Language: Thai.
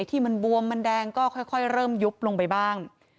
ที่มันบวมมันแดงก็ค่อยเริ่มยุบลงไปบ้าง